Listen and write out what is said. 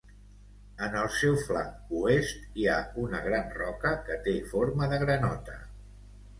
En el seu flanc oest hi ha una gran roca que té forma de granota.